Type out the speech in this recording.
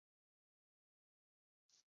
另外他拥有巴西及安哥拉双重国籍。